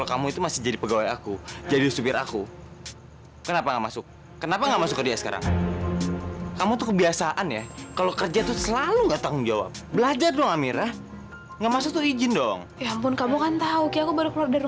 sampai jumpa di video selanjutnya